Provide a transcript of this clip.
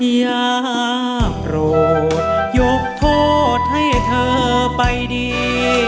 อย่าโปรดยกโทษให้เธอไปดี